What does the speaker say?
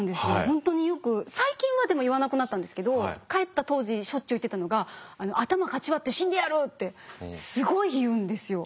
本当によく最近はでも言わなくなったんですけど帰った当時しょっちゅう言ってたのがすごい言うんですよ。